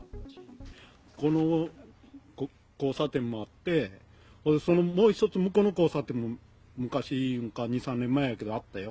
この交差点もあって、そのもう一つ向こうの交差点も昔、２、３年前やけど、あったよ。